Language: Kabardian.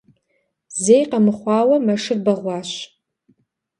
Зэи къэмыхъуауэ, мэшыр бэгъуащ.